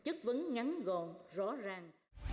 chất vấn ngắn gồm rõ ràng